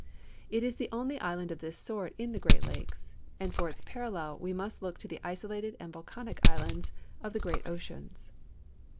It is the only island of this sort in the Great Lakes, and for its parallel we must look to the isolated and volcanic islands of the great oceans.